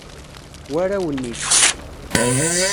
War awennit.